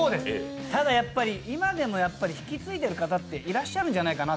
ただ今でもやっぱり引き継いでる方いらっしゃるんじゃないかな。